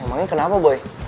emangnya kenapa boy